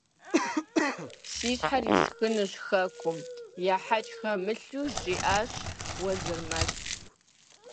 Си щхьэр исхынущ хэкум! – ехьэкӀ хэмылъу жиӀащ Уэзырмэс.